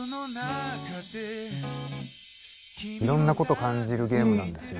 いろんなことを感じるゲームなんですよ。